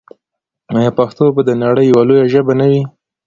آیا پښتو به د نړۍ یوه لویه ژبه نه وي؟